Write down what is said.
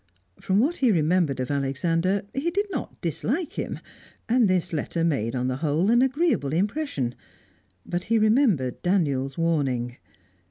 From what he remembered of Alexander, he did not dislike him, and this letter made, on the whole, an agreeable impression; but he remembered Daniel's warning.